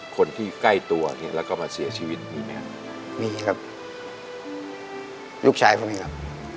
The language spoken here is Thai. คนที่ใกล้ตัวเนี่ยแล้วก็มาเสียชีวิตมีไหมครับมีครับลูกชายเขาไหมครับ